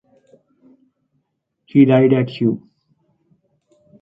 He died at Huy.